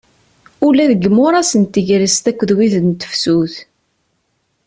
Ula deg yimuras n tegrest akked wid n tefsut.